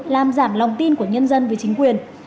làm giảm lòng tin của nhân dân với chính quyền